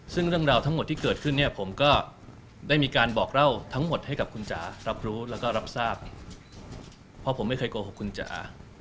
ซึ่งเรื่องราวทั้งหมดที่เกิดขึ้นเนี่ยผมก็ได้มีการบอกเล่าทั้งหมดให้กับคุณจ๋ารับรู้แล้วก็รับทราบเพราะผมไม่เคยโกหกคุณจ๋า